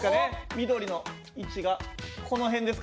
緑の位置がこの辺ですかね。